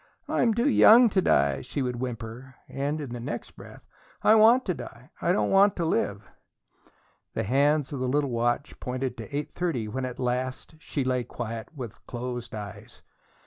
"I'm too young to die," she would whimper. And in the next breath: "I want to die I don't want to live!" The hands of the little watch pointed to eight thirty when at last she lay quiet, with closed eyes.